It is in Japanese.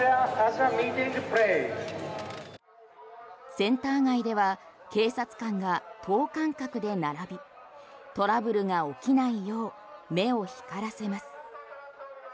センター街では警察官が等間隔で並びトラブルが起きないよう目を光らせます。